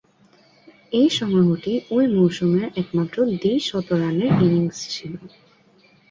এ সংগ্রহটি ঐ মৌসুমের একমাত্র দ্বি-শতরানের ইনিংস ছিল।